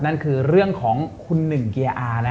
นั่นคือเรื่องของคุณหนึ่งเกียร์อา